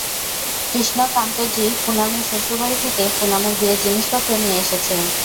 কৃষ্নকান্তজি, পুনামের শ্বশুরবাড়ি থেকে পুনামের বিয়ের জিনিসপত্র নিয়ে এসেছি।